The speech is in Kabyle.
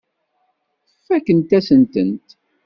Fakkent-asen-tent.